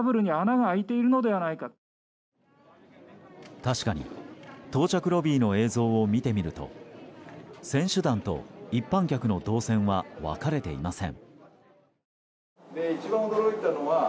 確かに到着ロビーの映像を見てみると選手団と一般客の動線は分かれていません。